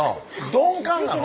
鈍感なの？